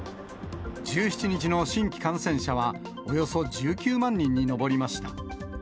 １７日の新規感染者は、およそ１９万人に上りました。